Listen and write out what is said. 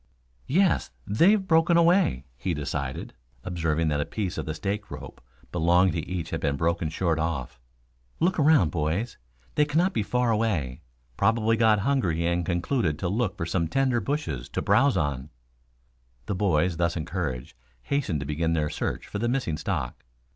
"Yes, they've broken away," he decided, observing that a piece of stake rope belonging to each had been broken short off. "Look around, boys. They cannot be far away. Probably got hungry and concluded to look for some tender bushes to browse on." The boys, thus encouraged, hastened to begin their search for the missing stock.